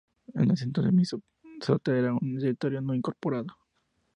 En ese entonces Minnesota era un territorio no incorporado.